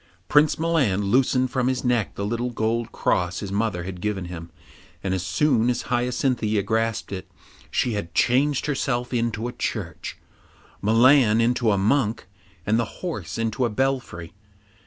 Prince Milan loosened from his neck the little gold cross his mother had given him, and as soon as Hyacinthia grasped it, she had changed herself into a church, Milan into a monk, and the horse into a belfry.